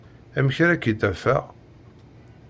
Amek ara k-id-afeɣ?